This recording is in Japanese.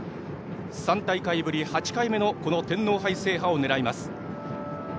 ３大会ぶり８回目の天皇杯制覇を狙います。